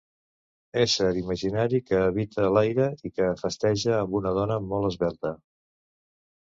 Ésser imaginari que habita l'aire, i que festeja amb una dona molt esvelta.